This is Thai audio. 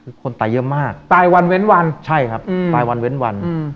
คือคนตายเยอะมากตายวันเว้นวันใช่ครับตายวันเว้นวัน